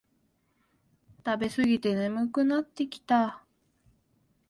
食べすぎて眠くなってきた